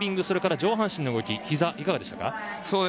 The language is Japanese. それから上半身の動きやひざは、いかがでしたか？